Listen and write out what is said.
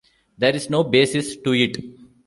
There is no basis to it.